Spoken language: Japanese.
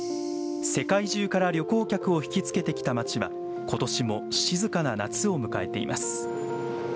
世界中から旅行客を引きつけてきた街はことしも静かな夏を迎えています。